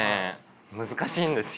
難しいんですよ。